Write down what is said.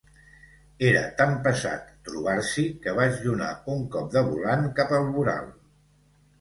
Era tan pesat trobar-s'hi que vaig donar un cop de volant cap al voral.